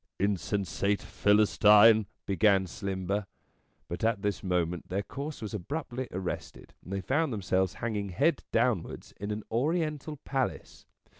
" Insensate Philistine," began Slimber; but at this moment their course was abruptly arrested, and they found themselves hanging head downwards in an Oriental Palace.